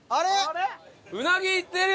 うなぎ行ってる。